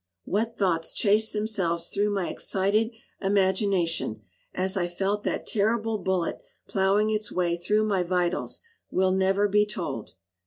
What thoughts chased themselves through my excited imagination as I felt that terrible bullet plowing its way through my vitals will never be told.